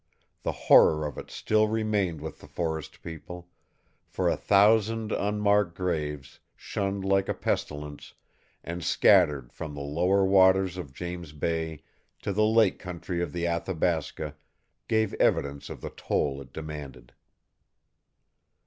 The horror of it still remained with the forest people; for a thousand unmarked graves, shunned like a pestilence, and scattered from the lower waters of James Bay to the lake country of the Athabasca, gave evidence of the toll it demanded.